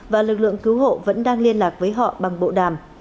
và lực lượng cứu hộ vẫn đang liên lạc với họ bằng bộ đàm